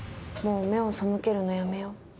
もう目を背けるのやめよう。